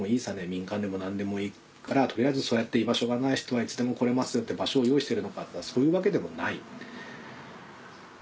民間でも何でもいいから取りあえずそうやって居場所がない人はいつでも来れますよって場所を用意してるのかっていったらそういうわけでもない。